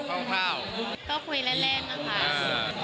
ก็คุยแรงนะคะ